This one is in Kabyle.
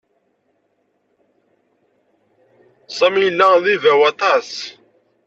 Sami yella d ibaw aṭas.